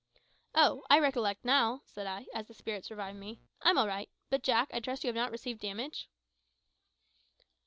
"Oh, I recollect now," said I, as the spirits revived me. "I'm all right. But, Jack, I trust that you have not received damage?"